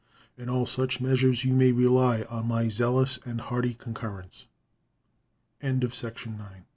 In all such measures you may rely on my zealous and hearty concurrence. State of the Union A